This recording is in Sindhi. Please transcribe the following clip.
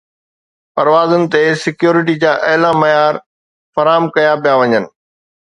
پروازن تي سيڪيورٽي جا اعليٰ معيار فراهم ڪيا پيا وڃن